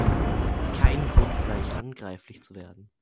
Kein Grund, gleich handgreiflich zu werden!